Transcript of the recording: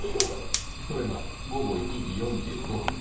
それが午後１時４５分。